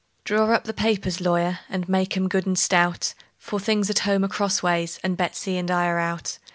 Draw up the papers, lawyer, and make 'em good and stout; For things at home are crossways, and Betsey and I are out.